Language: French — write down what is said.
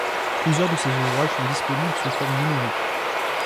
Plusieurs de ses ouvrages sont disponibles sous forme numérique.